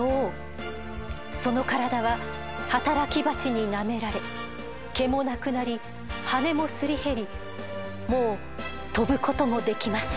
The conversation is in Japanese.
その体は働き蜂になめられ毛もなくなり羽もすり減りもう飛ぶこともできません。